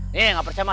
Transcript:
nih nggak percaya mah